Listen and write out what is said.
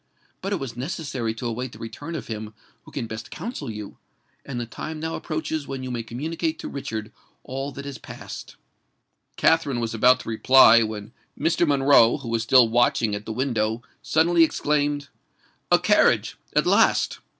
"But it was necessary to await the return of him who can best counsel you; and the time now approaches when you may communicate to Richard all that has passed." Katherine was about to reply, when Mr. Monroe, who was still watching at the window, suddenly exclaimed, "A carriage—at last!"